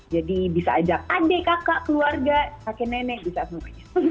bisa ajak adik kakak keluarga kakek nenek bisa semuanya